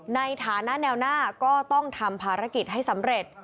ในฐานะแนวหน้าก็ต้องทำภารกิจให้สำเร็จ